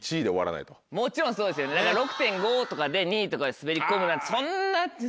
もちろんそうですだから６．５とかで２位とかに滑り込むなんて